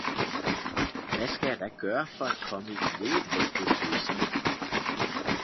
Hvad skal jeg da gøre for at komme i levebrød ved poesien?